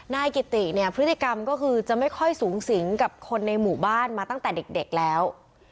นายกิติเนี่ยพฤติกรรมก็คือจะไม่ค่อยสูงสิงกับคนในหมู่บ้านมาตั้งแต่เด็กแล้ว